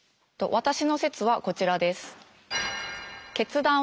私の説はこちらです。